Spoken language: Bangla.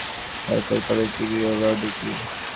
তারপর কলেজ ডিগ্রি ও ল ডিগ্রি।